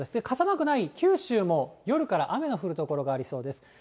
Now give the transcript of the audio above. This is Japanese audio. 傘マークない九州も、夜から雨の降る所がありそうです。